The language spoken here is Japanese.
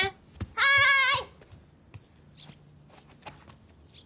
はい。